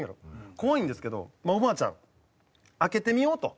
怖いんですけどまあおばあちゃん開けてみようと。